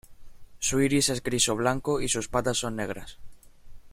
Su iris es gris o blanco y sus patas son negras.